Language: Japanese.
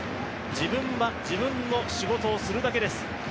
「自分は自分の仕事をするだけです」